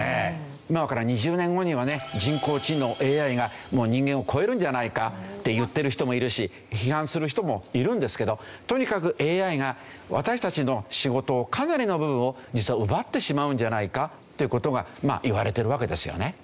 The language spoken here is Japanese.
今から２０年後にはね人工知能ＡＩがもう人間を超えるんじゃないかって言ってる人もいるし批判する人もいるんですけどとにかくＡＩが私たちの仕事をかなりの部分を実は奪ってしまうんじゃないかっていう事がいわれてるわけですよね。